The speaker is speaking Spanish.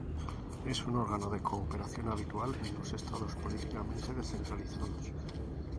Es un órgano de cooperación habitual en los estados políticamente descentralizados.